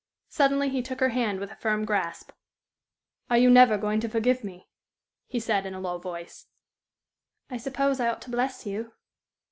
Suddenly he took her hand with a firm grasp. "Are you never going to forgive me?" he said, in a low voice. "I suppose I ought to bless you."